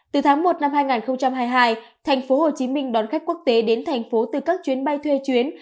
từ tháng một năm hai nghìn hai mươi hai thành phố hồ chí minh đón khách quốc tế đến thành phố từ các chuyến bay thuê chuyến